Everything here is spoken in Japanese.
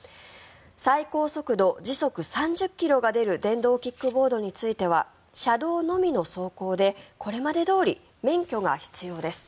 最高速度時速３０ｋｍが出る電動キックボードについては車道のみの走行でこれまでどおり免許が必要です。